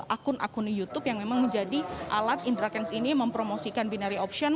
akun akun youtube yang memang menjadi alat indra kents ini mempromosikan binary option